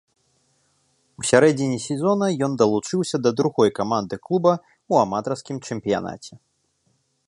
У сярэдзіне сезона ён далучыўся да другой каманды клуба ў аматарскім чэмпіянаце.